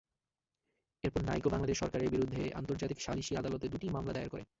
এরপর নাইকো বাংলাদেশ সরকারের বিরুদ্ধে আন্তর্জাতিক সালিসি আদালতে দুটি মামলা দায়ের করে।